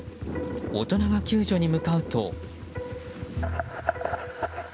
大人が救助に向かうと。